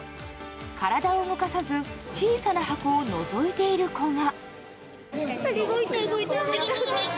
体を動かさず小さな箱をのぞいている子が。